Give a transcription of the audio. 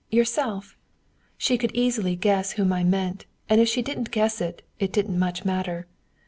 Yourself! She could easily guess whom I meant, and if she didn't guess it, it didn't much matter.